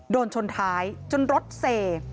โดนชนท้ายจนรถเสก